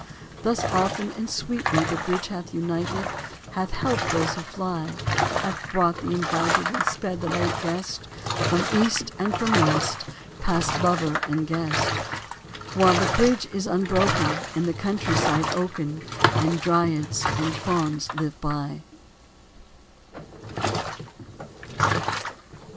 Thus often and sweetly The bridge hath united, Hath helped those who fly, Hath brought the invited And sped the late guest. From east and from west Pass lover and guest, While the bridge is unbroken In the countryside oaken. And Dryads and Fauns live by.